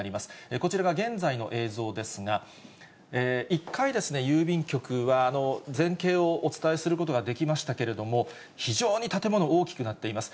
こちらが現在の映像ですが、１回、郵便局は全景をお伝えすることができましたけれども、非常に建物、大きくなっています。